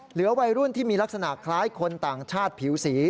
เหลือวัยรุ่นที่มีลักษณะคล้ายคนต่างชาติผิวสี